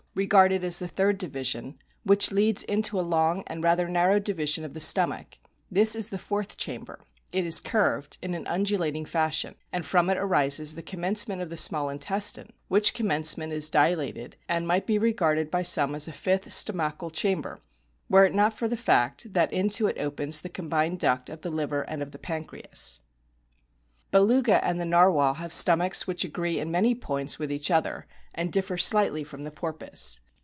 regarded as the third division, which leads into a long and rather narrow division of the stomach ; this is the fourth chamber ; it is curved in an undulating fashion, and from it arises the commencement of the small intestine, which commencement is dilated, and might be regarded by some as a fifth stomachal chamber were it not for the fact that into it opens the combined duct of the liver and of the pancreas. SOME INTERNAL STRUCTURES 61 Beluga and the Narwhal have stomachs which o agree in many points with each other, and differ slightly from the porpoise.